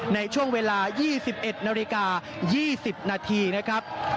ในช่วงเวลา๒๑นาฬิกา๒๐นาทีนะครับ